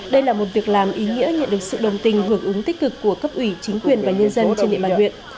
đây là một việc làm ý nghĩa nhận được sự đồng tình hưởng ứng tích cực của cấp ủy chính quyền và nhân dân trên địa bàn huyện